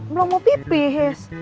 belum mau pipis